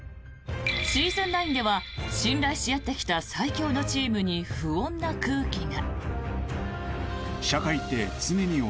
シーズン９では信頼し合ってきた最強のチームに不穏な空気が。